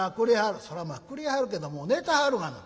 「そらまあくれはるけども寝てはるがな」。